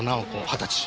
二十歳。